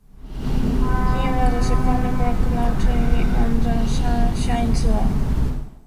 He was the second black man to win on the Sunshine Tour.